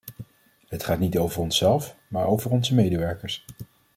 Het gaat niet over onszelf, maar over onze medewerkers.